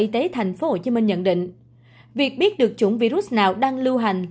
tế thành phố hồ chí minh nhận định việc biết được chủng virus nào đang lưu hành